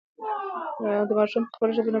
ماشوم په خپله ژبه نه ګنګس کېږي.